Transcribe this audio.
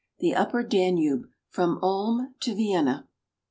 THE UPPER DANUBE — FROM ULM TO VIENNA.